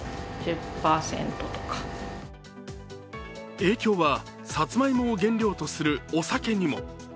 影響はサツマイモを原料とするお酒にも。